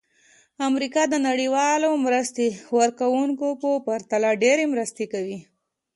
امریکا د نړیوالو مرسته ورکوونکو په پرتله ډېرې مرستې کوي.